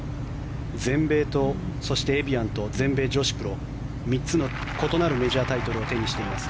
全米と、そしてエビアンと全米女子プロ３つの異なるメジャータイトルを手にしています。